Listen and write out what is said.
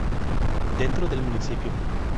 Dentro del municipio.